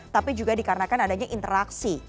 tapi juga dikarenakan adanya interaksi